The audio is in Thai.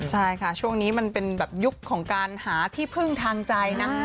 ใช่ค่ะช่วงนี้มันเป็นแบบยุคของการหาที่พึ่งทางใจนะ